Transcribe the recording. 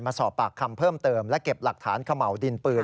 สอบปากคำเพิ่มเติมและเก็บหลักฐานเขม่าวดินปืน